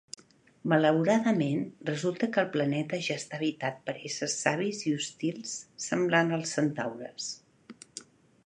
Malauradament, resulta que el planeta ja està habitat per éssers savis i hostils semblants als centaures.